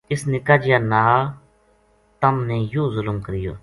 اس نِکا جِیا نال تم نے یوہ ظلم کریو